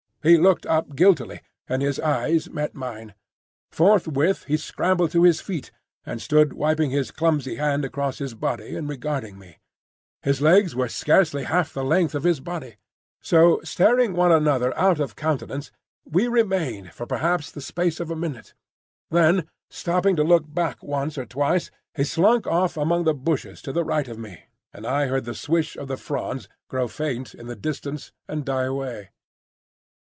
He looked up guiltily, and his eyes met mine. Forthwith he scrambled to his feet, and stood wiping his clumsy hand across his mouth and regarding me. His legs were scarcely half the length of his body. So, staring one another out of countenance, we remained for perhaps the space of a minute. Then, stopping to look back once or twice, he slunk off among the bushes to the right of me, and I heard the swish of the fronds grow faint in the distance and die away.